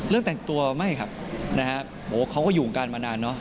เรื่องแต่งตัวไม่ค่ะนะฮะโอ้เขาก็อยู่กันกันมานานเนอะ